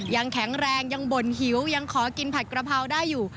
ยังแข็งแรงยังบ่นหิวยังขอกินผัดกระเพราได้อยู่